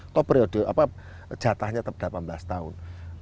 atau jatahnya delapan belas tahun